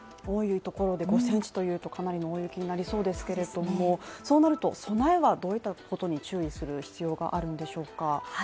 多いところで５ｃｍというとかなりのところで大雪となりそうですけれども備えはどういったことに注意する必要があるんでしょうか？